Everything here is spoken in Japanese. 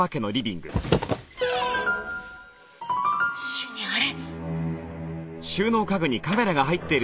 主任あれ！